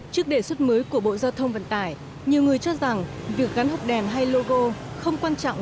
trước đề xuất mới của bộ giao thông vận tải nhiều người cho rằng việc gắn hộp đèn hay logo không quan trọng